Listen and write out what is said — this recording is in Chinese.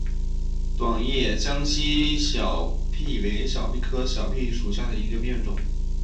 短叶江西小檗为小檗科小檗属下的一个变种。